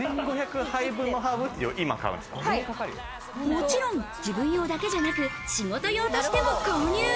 もちろん自分用だけじゃなく、仕事用としても購入。